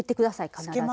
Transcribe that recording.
必ず。